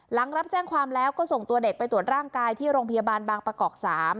หลังรับแจ้งความแล้วก็ส่งตัวเด็กไปตรวจร่างกายที่โรงพยาบาลบางประกอบ๓